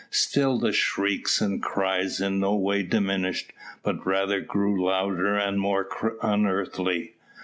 Still the shrieks and cries in no way diminished, but rather grew louder and more unearthly.